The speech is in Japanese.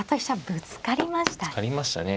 ぶつかりましたね。